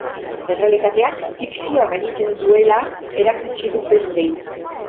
Errealitateak fikzioa gainditzen duela erakutsi du beste behin.